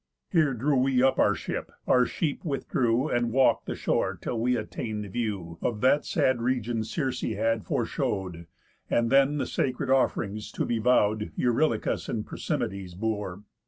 Here drew we up our ship, our sheep withdrew, And walk'd the shore till we attain'd the view, Of that sad region Circe had foreshow'd; And then the sacred off'rings to be vow'd Eurylochus and Persimedes bore.